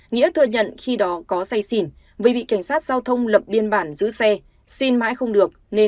nghĩa thừa nhận khi đó có say xỉn vì bị cảnh sát giao thông lập biên bản giữ xe xin mãi không được nên